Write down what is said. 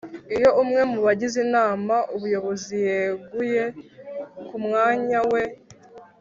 Iyo umwe mu bagize Inama y Ubuyobozi yeguye kumwanya we